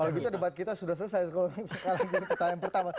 kalau begitu debat kita sudah selesai kalau kita ketahui pertanyaan pertama